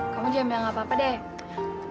kamu jam bilang apa apa deh